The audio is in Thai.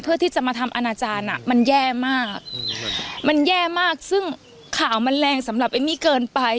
เพื่อที่จะมาทำอนาจารย์อ่ะมันแย่มากมันแย่มากซึ่งข่าวมันแรงสำหรับเอมมี่เกินไป